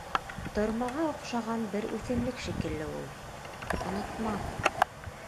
Тормаға оҡшаған бер үҫемлек шикелле ул. Онотмам.